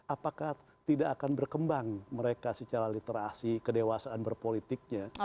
apakah tidak akan berkembang mereka secara literasi kedewasaan berpolitiknya